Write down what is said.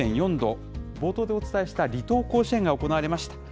冒頭でお伝えした離島甲子園が行われました。